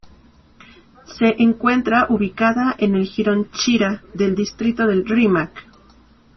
Se encuentra ubicada en el jirón Chira del distrito del Rímac.